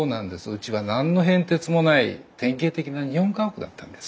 うちは何の変哲もない典型的な日本家屋だったんですよ。